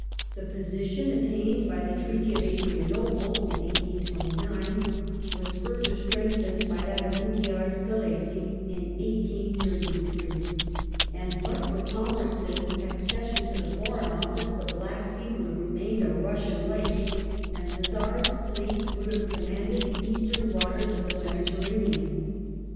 The posi tion attained by the Treaty of Adrianople (1829) was further, strengthened by that of Unkiar Skelessi (1833), and but for j Palmerston's accession to the Foreign Office the Black Sea would I have remained a " Russian lake," and the Czar's fleets would have commanded the eastern waters of the Mediterranean.